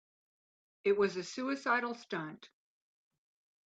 It was a suicidal stunt.